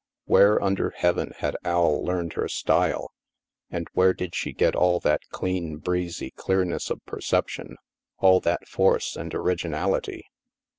Where under heaven had Al learned her style, and where did she get all that clean breezy clearness of perception, all that force and originality